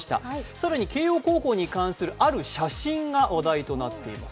更に慶応高校に関するある写真が話題となっています。